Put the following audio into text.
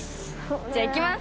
じゃあいきます。